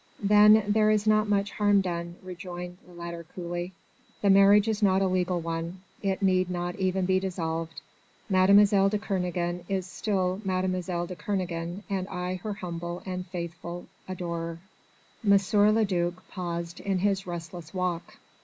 "Then there is not much harm done," rejoined the latter coolly; "the marriage is not a legal one. It need not even be dissolved Mademoiselle de Kernogan is still Mademoiselle de Kernogan and I her humble and faithful adorer." M. le duc paused in his restless walk.